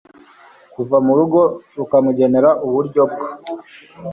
kuva mu rugo rukamugenera uburyo bwo